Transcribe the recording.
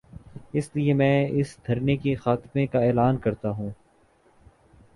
اس لیے میں اس دھرنے کے خاتمے کا اعلان کر تا ہوں۔